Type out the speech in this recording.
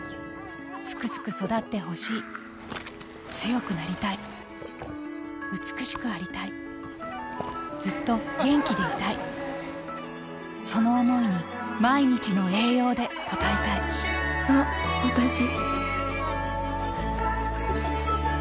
スクスク育ってほしい強くなりたい美しくありたいずっと元気でいたいその想いに毎日の栄養で応えたいあっわたし。